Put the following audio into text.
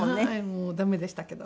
もうダメでしたけど。